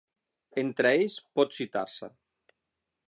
Entre ells pot citar-se.